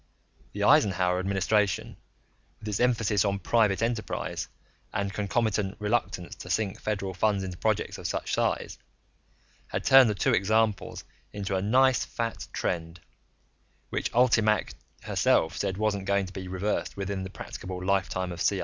The Eisenhower administration, with its emphasis on private enterprise and concomitant reluctance to sink federal funds into projects of such size, had turned the two examples into a nice fat trend, which ULTIMAC herself said wasn't going to be reversed within the practicable lifetime of CIA.